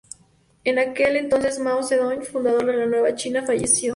En aquel entonces, Mao Zedong, fundador de la nueva China, falleció.